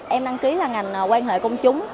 em đăng ký là ngành quan hệ công chúng